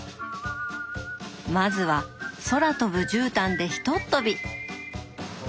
まずは空飛ぶじゅうたんでひとっ飛び。